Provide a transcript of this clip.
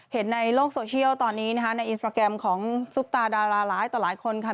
เห็นในโลกโซเชียลตอนนี้นะคะในอินสตราแกรมของซุปตาดาราร้ายต่อหลายคนค่ะ